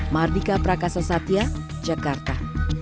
mardika prakasa satya jakarta